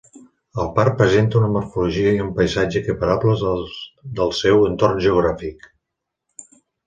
El Parc presenta una morfologia i un paisatge equiparables als del seu entorn geogràfic.